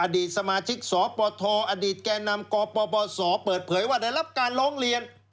อดีตสมาชิกสปทอดีตแก่นำกปปศเปิดเผยว่าได้รับการร้องเรียน